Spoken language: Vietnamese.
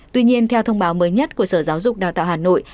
tuy nhiên theo thông báo mới nhất của sở giáo dục đào tạo hà nội